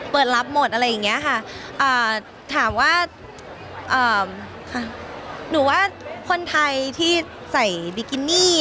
เปิดรับหมดอะไรอย่างนี้ค่ะ